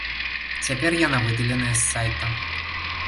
Цяпер яна выдаленая з сайта.